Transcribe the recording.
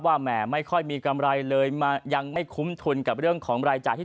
แหมไม่ค่อยมีกำไรเลยมายังไม่คุ้มทุนกับเรื่องของรายจ่ายที่